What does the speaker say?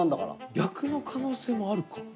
逆の可能性もあるか。